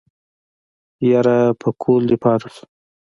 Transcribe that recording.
يره پکول دې پاتې شو.